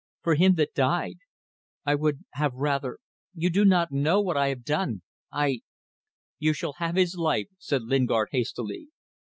For him that died. I would have rather ... You do not know what I have done ... I ..." "You shall have his life," said Lingard, hastily.